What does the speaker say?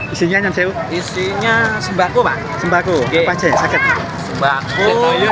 isinya sembako pak sembako